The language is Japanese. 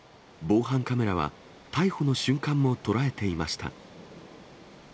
防犯カメラは、逮捕の瞬間も捉えていました。